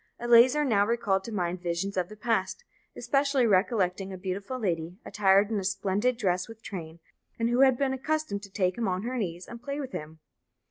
Eleazar now recalled to mind visions of the past, especially recollecting a beautiful lady, attired in a splendid dress with train, and who had been accustomed to take him on her knees and play with him.